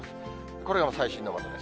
これが最新のものです。